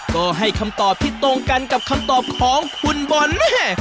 ก็ให้คำตอบที่ตรงกันกับคำตอบของคุณบอลแม่